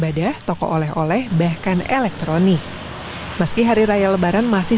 buat lebaran ini kan masih